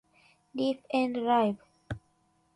Deep End Live!